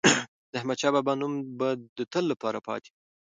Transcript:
د احمدشاه بابا نوم به د تل لپاره پاتې وي.